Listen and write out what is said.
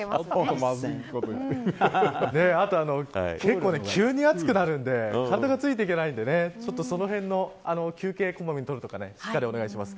あと、結構急に暑くなるので体がついていけないのでその辺の休憩をこまめに取るとかしっかりお願いします。